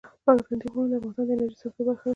پابندی غرونه د افغانستان د انرژۍ سکتور برخه ده.